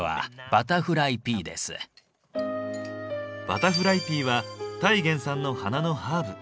バタフライピーはタイ原産の花のハーブ。